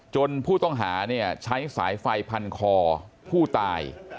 ผู้ต้องหาใช้สายไฟพันคอผู้ตาย